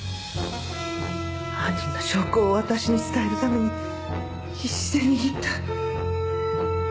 犯人の証拠を私に伝えるために必死で握った。